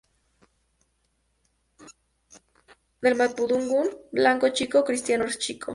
Del mapudungun, "Blanco Chico o cristiano chico".